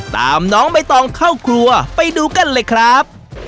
ตามน้องใบตองเข้าครัวไปดูกันเลยครับ